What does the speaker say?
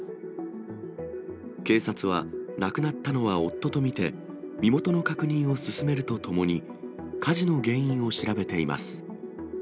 警察は、亡くなったのは夫と見て、身元の確認を進めるとともに、火事の原因を調べています。